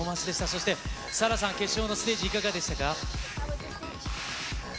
そして、ＳＡＬＡＨさん、決勝のステージいかがでしたか。